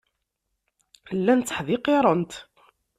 Llant tteḥdiqirent.